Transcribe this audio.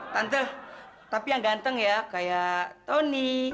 tante tapi yang ganteng ya kayak tony